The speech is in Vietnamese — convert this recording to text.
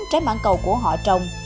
trái mảng cầu của họ trồng